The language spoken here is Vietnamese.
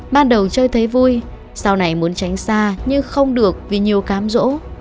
ban đầu chơi thấy vui sau này muốn tránh xa nhưng không được vì nhiều cám rỗ